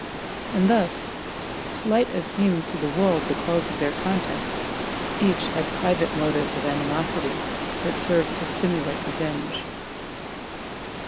And thus, slight as seemed to the world the cause of their contest, each had private motives of animosity that served to stimulate revenge.